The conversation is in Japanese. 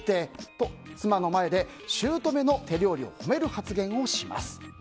と、妻の前で姑の手料理を褒める発言をします。